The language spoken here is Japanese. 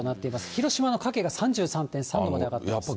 広島の加計が３３．３度まで上がってます。